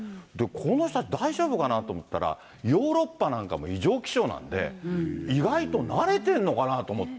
この人たち大丈夫かなと思ったら、ヨーロッパなんかも異常気象なんで、意外と慣れてんのかなと思って。